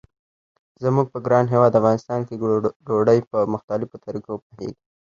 زموږ په ګران هیواد افغانستان کې ډوډۍ په مختلفو طریقو پخیږي.